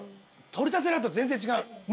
取れたてだと全然違う。